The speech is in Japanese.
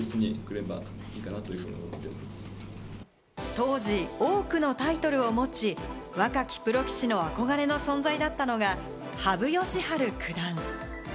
当時、多くのタイトルを持ち、若きプロ棋士の憧れの存在だったのが、羽生善治九段。